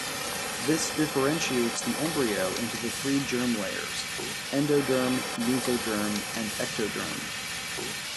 This differentiates the embryo into the three germ layers - endoderm, mesoderm, and ectoderm.